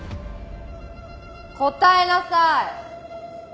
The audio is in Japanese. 答えなさい！